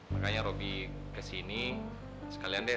makanya roby kesini sekalian deh